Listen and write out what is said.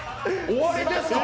終わりですか？